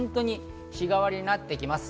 日替わりになってきます。